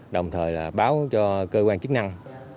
đồng thời là báo cho cơ quan chức năng